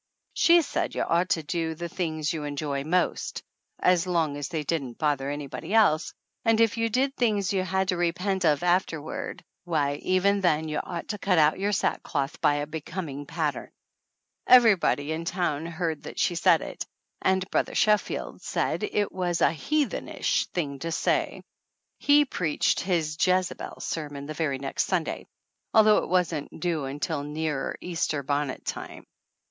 She said you ought to do the things you enjoy most, as long as they didn't bother anybody else, and if you did things you had to repent of after ward, why, even then, you ought to cut out your sackcloth by a becoming pattern ! Everybody in town heard that she said it, and Brother Sheffield said it was a heathenish thing to say! He preached his Jezebel sermon the very next Sunday, although it wasn't due until nearer Easter bonnet time.